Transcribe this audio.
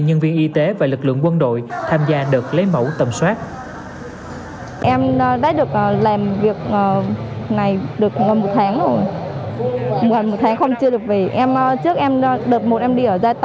nhân viên y tế và lực lượng quân đội tham gia đợt lấy mẫu tầm soát